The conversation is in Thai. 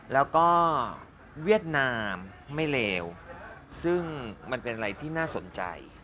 แล้วก็เวียดนามไม่เลวซึ่งมันเป็นอะไรที่น่าสนใจ